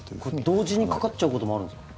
同時にかかっちゃうこともあるんですか？